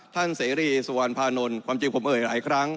เสรีสุวรรณภานนท์ความจริงผมเอ่ยหลายครั้ง